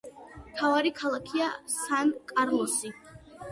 მთავარი ქალაქია სან-კარლოსი.